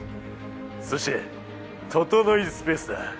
そして、ととのいスペースだ。